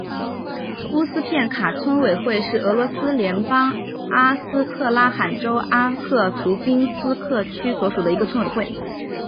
乌斯片卡村委员会是俄罗斯联邦阿斯特拉罕州阿赫图宾斯克区所属的一个村委员会。